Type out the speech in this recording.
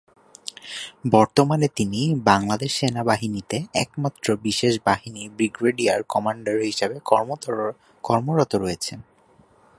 বর্তমানে তিনি বাংলাদেশ সেনাবাহিনীতে একমাত্র বিশেষ বাহিনীর ব্রিগেড কমান্ডার হিসেবে কর্মরত রয়েছেন।